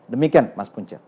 demikian mas puncer